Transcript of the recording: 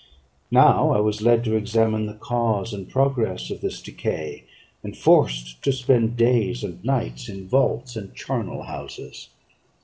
Now I was led to examine the cause and progress of this decay, and forced to spend days and nights in vaults and charnel houses.